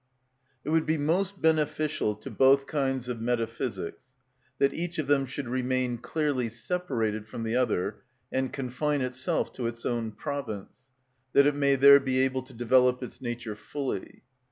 It would be most beneficial to both kinds of metaphysics that each of them should remain clearly separated from the other and confine itself to its own province, that it may there be able to develop its nature fully.